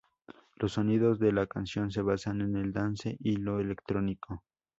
Los sonidos de la canción se basan en el dance y lo electrónico.